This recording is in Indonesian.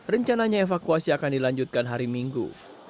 rencananya evakuasi akan dilanjutkan hari minggu